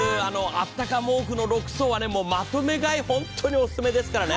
あったか毛布の６層はまとめ買いオススメですからね。